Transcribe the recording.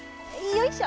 よいしょ！